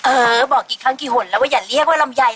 เออบอกกี่ครั้งกี่หนแล้วก็อย่าเรียกว่าลำไย